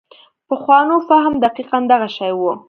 پخوانو فهم دقیقاً دغه شی و.